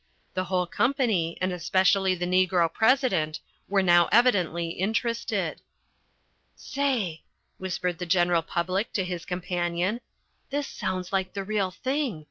The whole company, and especially the Negro President, were now evidently interested. "Say," whispered The General Public to his companion, "this sounds like the real thing?